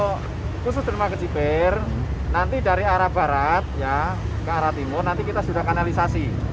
kalau khusus dermaga ciber nanti dari arah barat ya ke arah timur nanti kita sudah kanalisasi